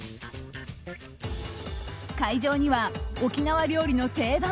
会場には沖縄料理の定番